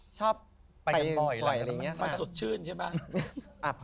ชอบไปกันบ่อยล่ะมาสดชื่นใช่ป่ะ